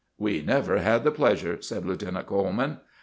"We never had the pleasure," said Lieutenant Coleman.